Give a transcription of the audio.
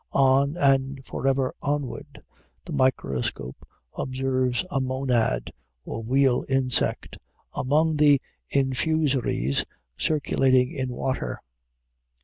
On, and forever onward! The microscope observes a monad or wheel insect among the infusories circulating in water.